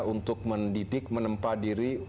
untuk mendidik menempa diri